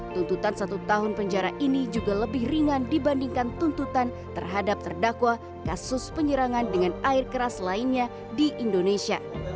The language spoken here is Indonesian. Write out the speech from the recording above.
tuntutan satu tahun penjara ini juga lebih ringan dibandingkan tuntutan terhadap terdakwa kasus penyerangan dengan air keras lainnya di indonesia